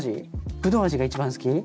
ぶどう味が一番好き？